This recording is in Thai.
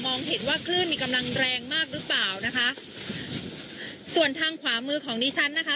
เห็นว่าคลื่นมีกำลังแรงมากหรือเปล่านะคะส่วนทางขวามือของดิฉันนะคะ